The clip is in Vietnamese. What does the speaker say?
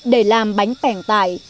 để làm bánh bẻng tải